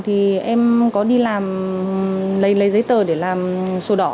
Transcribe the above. thì em có đi làm lấy giấy tờ để làm sổ đỏ